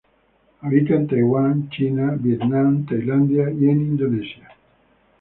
Habita en Taiwán, China, Vietnam, Tailandia y en Indonesia.